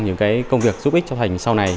những công việc giúp ích cho thành sau này